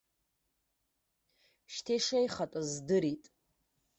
Шьҭа ишеихатәыз здырт.